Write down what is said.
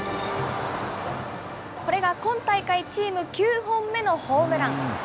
これが今大会チーム９本目のホームラン。